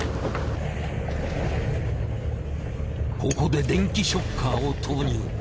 ここで電気ショッカーを投入。